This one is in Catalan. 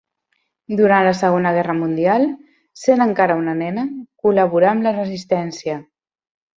Durant la Segona Guerra mundial, sent encara una nena, col·laborà amb la resistència.